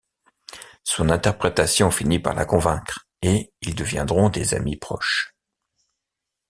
Son interprétation finit par la convaincre, et ils deviendront des amis proches.